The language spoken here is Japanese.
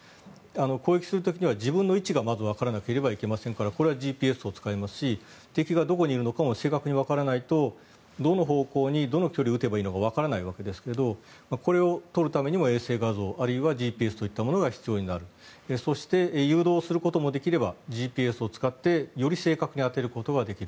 攻撃する時には自分の位置がまずわからなければいけませんからＧＰＳを使いますし敵がどこにいるかも正確にわからないとどの方向にどの距離撃てばいいのかわからないわけですがこれを撮るためにも衛星画像あるいはＧＰＳが必要になるそして、誘導することもできればＧＰＳを使ってより正確に当てることができる。